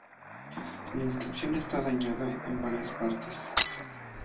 La inscripción está dañada en varias partes.